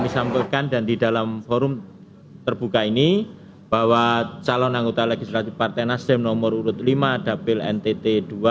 ratu ngadu bonuwula caleg nomor urut lima dari partai nasdem untuk dapil ntt dua